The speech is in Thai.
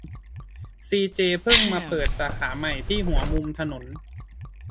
ซีเจเพิ่งมาเปิดสาขาใหม่ที่หัวมุมถนน